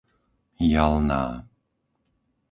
Jalná